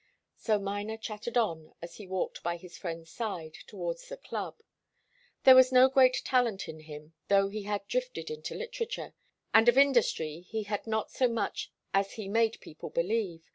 So Miner chattered on as he walked by his friend's side, towards the club. There was no great talent in him, though he had drifted into literature, and of industry he had not so much as he made people believe.